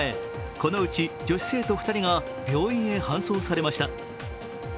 このうち女子生徒２人が病院へ搬送されました。